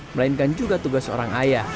melainkan juga tugas seorang ayah